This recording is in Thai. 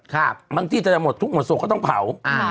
บางทีจะจะหมดทุกหมดโสกก็ต้องเผา